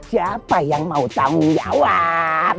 siapa yang mau tanggung jawab